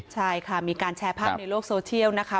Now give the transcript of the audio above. ใช่ค่ะมีการแชร์ภาพในโลกโซเชียลนะคะ